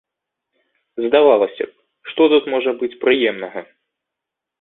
Здавалася б, што тут можа быць прыемнага?